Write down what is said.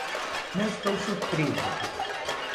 Não estou surpresa.